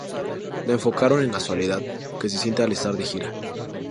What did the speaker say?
La enfocaron en la soledad que se siente al estar de gira.